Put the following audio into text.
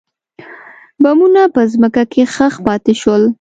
بمونه په ځمکه کې ښخ پاتې شول.